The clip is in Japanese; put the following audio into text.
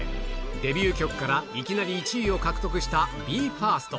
デビュー曲からいきなり１位を獲得したＢＥ：ＦＩＲＳＴ。